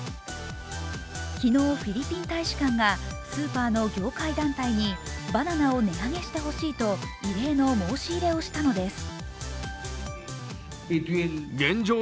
昨日、フィリピン大使館がスーパーの業界団体にバナナを値上げしてほしいと異例の申し入れをしたのです。